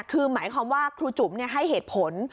คือหมายความว่าครูจุ๋มให้เหตุผล